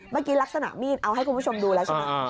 เมื่อกี้ลักษณะมีดเอาให้คุณผู้ชมดูแล้วใช่ไหม